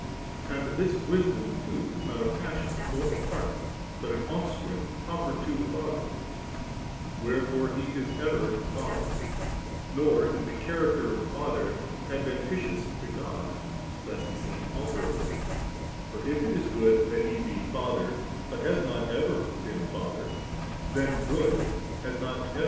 And this Wisdom too is not a passion, nor a part, but an Offspring proper to the Father. AVhere fore He is ever Father, nor is the character of Father adventitious to God, lest He seem alterable; for if it is good that He be Father, S TMtis a ▼Wir&mnUr to ili«Fatheri, Tig.